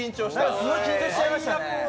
すごい緊張しちゃいましたね。